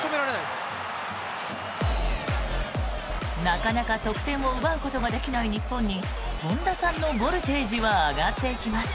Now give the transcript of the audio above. なかなか得点を奪うことができない日本に本田さんのボルテージは上がっていきます。